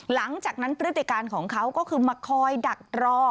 หลังจากนั้นพฤติการของเขาก็คือมาคอยดักรอ